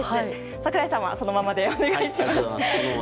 櫻井さんはそのままでお願いします。